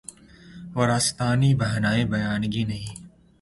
وارستگی بہانۂ بیگانگی نہیں